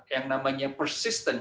yang namanya persisten